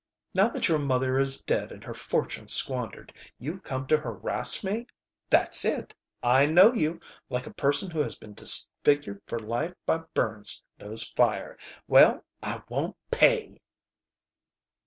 Now that your mother is dead and her fortune squandered, you've come to harass me? That's it! I know you, like a person who has been disfigured for life by burns knows fire. Well, I won't pay!"